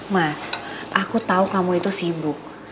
mas aku tahu kamu itu sibuk